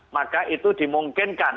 maka itu dimungkinkan